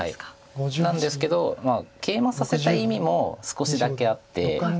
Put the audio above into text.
なんですけどケイマさせた意味も少しだけあって。